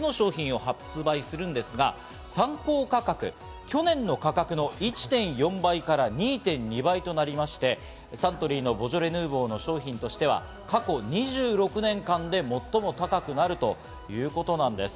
サントリーは今年３つの商品を発売するんですが、参考価格、去年の価格の１．４倍から２．２倍となりまして、サントリーのボジョレ・ヌーボーの商品としては過去２６年間で最も高くなるということなんです。